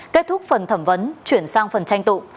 kết thúc phần thẩm vấn chuyển sang phần tranh tụ